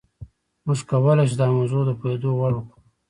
موږ کولای شو دا موضوع د پوهېدو وړ کړو.